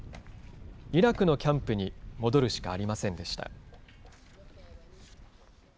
イラクのキャンプに戻るしかありませんでした。